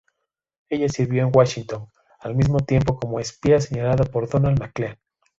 Ella sirvió en Washington, al mismo tiempo como espía señalada por Donald Maclean.